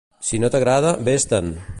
Si no t'agrada, vés-te'n!